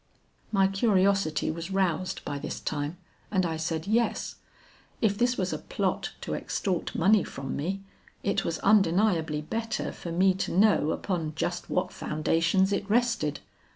"My curiosity was roused by this time and I said yes. If this was a plot to extort money from me, it was undeniably better for me to know upon just what foundations it rested.